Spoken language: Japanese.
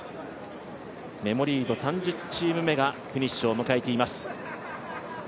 メモリード、３０チーム目がフィニッシュを迎えています。